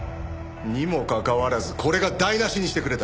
にもかかわらずこれが台無しにしてくれた。